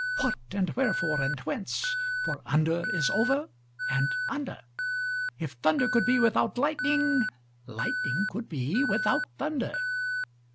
What, and wherefore, and whence? for under is over and under: If thunder could be without lightning, lightning could be without thunder.